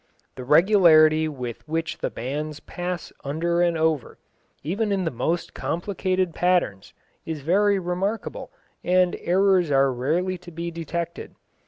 The regularity with which the bands pass under and over, even in the most complicated patterns, is very remarkable, and errors are rarely to be detected.